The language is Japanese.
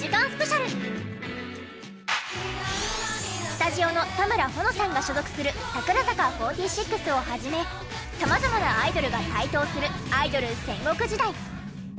スタジオの田村保乃さんが所属する櫻坂４６を始め様々なアイドルが台頭するアイドル戦国時代。